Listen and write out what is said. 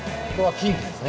キンキですね。